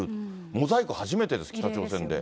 モザイク初めてです、北朝鮮で。